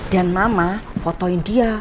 dan mama fotoin dia